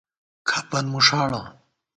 کھپن مُݭاڑَہ